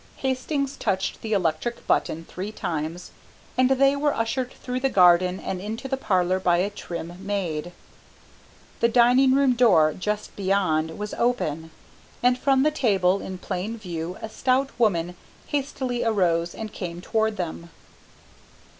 Hastings touched the electric button three times, and they were ushered through the garden and into the parlour by a trim maid. The dining room door, just beyond, was open, and from the table in plain view a stout woman hastily arose and came toward them.